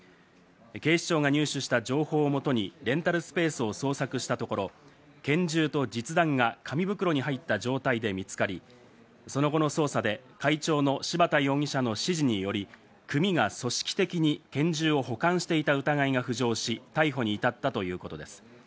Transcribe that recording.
警視庁が入手した情報をもとに、レンタルスペースを捜索したところ、拳銃と実弾が紙袋に入った状態で見つかり、その後の捜査で、会長の柴田容疑者の指示により、組が組織的に拳銃を保管していた疑いが浮上し、逮捕に至ったということです。